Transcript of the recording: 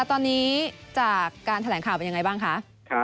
ตอนนี้จากการแถลงข่าวเป็นยังไงบ้างคะ